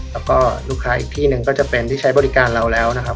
แล้วก็ลูกค้าอีกที่หนึ่งก็จะเป็นที่ใช้บริการเราแล้วนะครับ